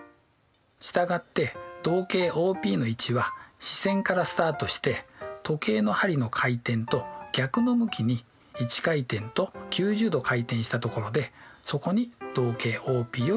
したがって動径ＯＰの位置は始線からスタートして時計の針の回転と逆の向きに１回転と９０°回転した所でそこに動径ＯＰを引きます。